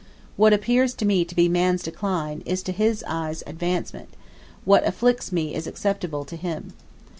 What appears to me to be man's decline, is to His eye advancement; what afflicts me is acceptable to Him.